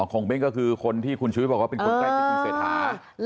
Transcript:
ของเบ้นก็คือคนที่คุณชุวิตบอกว่าเป็นคนใกล้ชิดคุณเศรษฐา